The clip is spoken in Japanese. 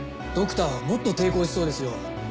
ドクターはもっと抵抗しそうですよ。